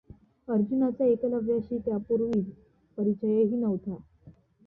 अर्जुनाचा एकलव्याशी त्यापूर्वी परिचयही नव्हता.